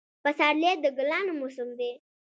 پسرلی د ګلانو موسم دی